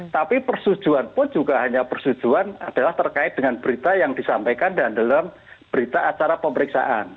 tapi persetujuan pun juga hanya persetujuan adalah terkait dengan berita yang disampaikan dan dalam berita acara pemeriksaan